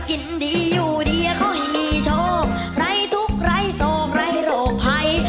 กินดีอยู่ดีเขาให้มีโชคไร้ทุกข์ไร้โศกไร้โรคภัย